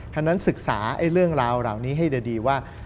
ฉะนั้นศึกษาเรื่องราวเหล่านี้ให้ดีว่า